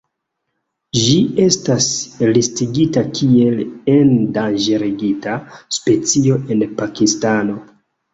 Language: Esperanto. Ĝi estas listigita kiel endanĝerigita specio en Pakistano.